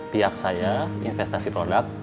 pihak saya investasi produk